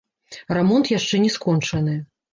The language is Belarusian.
Рамонт яшчэ не скончаны.